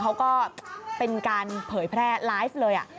เขาก็เป็นการเผยแพร่ไลฟ์เลย